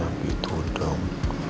gak gitu dong